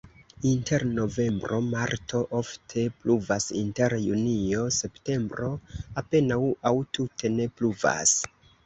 Inter novembro-marto ofte pluvas, inter junio-septembro apenaŭ aŭ tute ne pluvas.